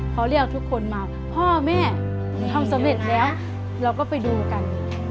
พอเรียกทุกคนมาพ่อแม่ทำสำเร็จแล้วเราก็ไปดูกัน